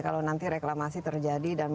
kalau nanti reklamasi terjadi dan